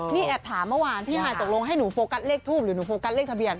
นี่แอบถามเมื่อวานพี่ฮายตกลงให้หนูโฟกัสเลขทูปหรือหนูโฟกัสเลขทะเบียน